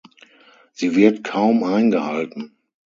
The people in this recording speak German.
Sie wird kaum eingehalten.